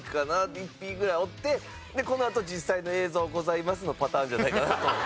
１匹ぐらいおってでこのあと「実際の映像ございます」のパターンじゃないかなと。